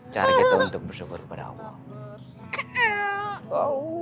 cari kita untuk bersyukur kepada allah